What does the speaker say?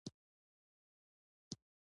• د ملګري خندا د زړه ارامتیا ده.